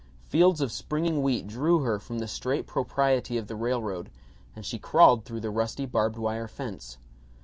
Fields of springing wheat drew her from the straight propriety of the railroad and she crawled through the rusty barbed wire fence.